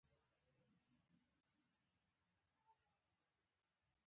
وږی د حاصل راټولو لپاره مهم وخت دی.